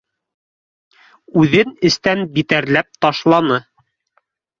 Үҙен эстән битәрләп ташланы